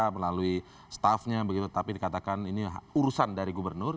melalui staffnya begitu tapi dikatakan ini urusan dari gubernur